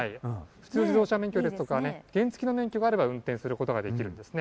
普通の自動車免許や原付の免許があれば運転することができるんですね。